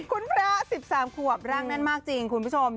คุณพระ๑๓ขวบร่างแน่นมากจริงคุณผู้ชม